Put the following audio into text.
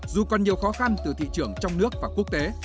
dù còn nhiều khó khăn từ thị trường trong nước và quốc tế